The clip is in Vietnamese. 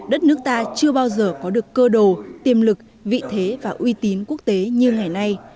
đất nước ta chưa bao giờ có được cơ đồ tiềm lực vị thế và uy tín quốc tế như ngày nay